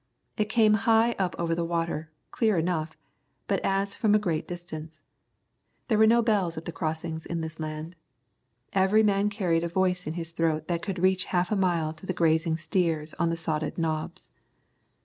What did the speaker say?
It came high up over the water, clear enough, but as from a great distance. There were no bells at the crossings in this land. Every man carried a voice in his throat that could reach half a mile to the grazing steers on the sodded knobs.